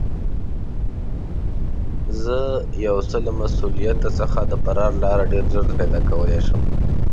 زه یو څه له مسوولیته څخه د فرار لاره ډېر ژر پیدا کولای شم.